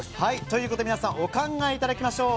皆さん、お考えいただきましょう。